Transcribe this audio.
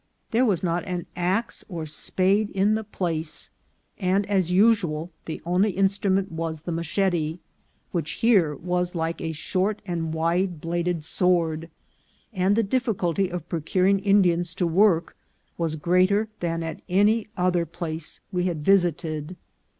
There was not an axe or spade in the place, and, as usual, the only instrument was the machete, which here was like a short and wide bladed sword ; and the difficulty of procuring Indians to work was greater than at any other place we had visited.